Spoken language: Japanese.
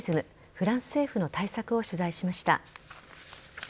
フランス政府の対策を取材しました。